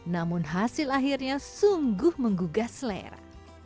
namun hasil akhirnya sungguh menggugah selera